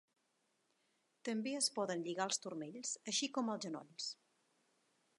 També es poden lligar els turmells, així com els genolls.